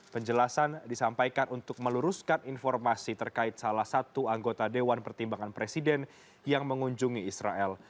penjelasan disampaikan untuk meluruskan informasi terkait salah satu anggota dewan pertimbangan presiden yang mengunjungi israel